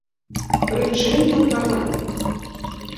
Пры чым тут парламент?